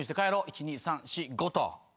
１２３４５と。